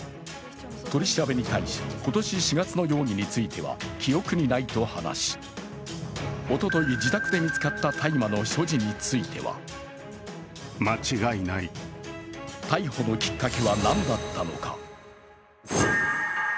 取り調べに対し、今年４月の容疑については記憶にないと話しおととい、自宅で見つかった大麻の所持については逮捕のきっかけはなんだったのか。